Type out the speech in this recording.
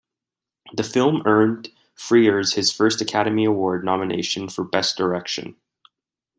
The film earned Frears his first Academy Award nomination for best direction.